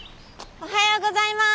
おはようございます。